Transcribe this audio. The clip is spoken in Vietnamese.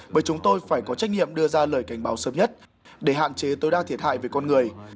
bởi chúng tôi phải có trách nhiệm đưa ra lời cảnh báo sớm nhất để hạn chế tối đa thiệt hại về con người